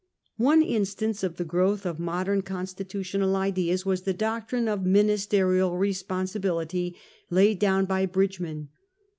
One instance of the growth of modem constitutional ideas was the doctrine of ministerial responsibility laid down by Bridgeman.